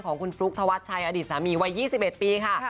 ของคุณฟลุ๊กธวัดชัยอดีตสามีวัย๒๑ปีค่ะ